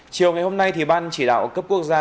chiều ngày hôm nay ban chỉ đạo cấp quốc gia